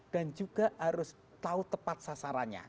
dan juga harus tahu tepat sasarannya